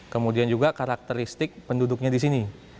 kemudian juga karakteristik penduduknya di sini